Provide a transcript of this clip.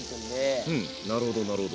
なるほどなるほど。